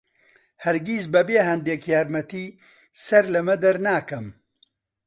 هەرگیز بەبێ هەندێک یارمەتی سەر لەمە دەرناکەم.